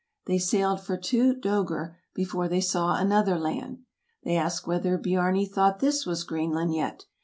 They sailed for two " dcegr " before they saw another land. They asked whether Biarni thought this was Greenland yet.